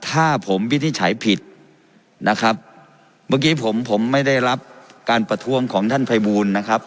ถ้าผมวินิจฉัยผิดนะครับเมื่อกี้ผมผมไม่ได้รับการประท้วงของท่านภัยบูลนะครับ